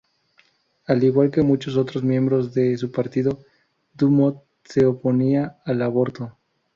Al igual que muchos otros miembros de su partido, Dumont se oponía al aborto.